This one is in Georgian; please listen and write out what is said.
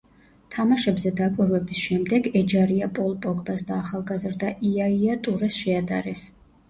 თამაშებზე დაკვირვების შემდეგ, ეჯარია პოლ პოგბას და ახალგაზრდა იაია ტურეს შეადარეს.